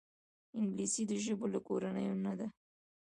انګلیسي د ژبو له کورنۍ نه ده